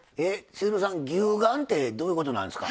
千鶴さん「牛丸」ってどういうことなんですか？